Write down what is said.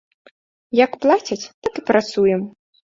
Як плацяць, так і працуем.